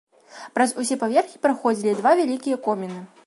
Праз усе паверхі праходзілі два вялікія коміны.